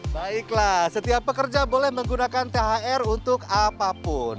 baiklah setiap pekerja boleh menggunakan thr untuk apapun